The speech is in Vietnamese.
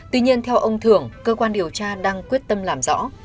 tuy nhiên theo ông thưởng cơ quan điều tra đang quyết tâm làm rõ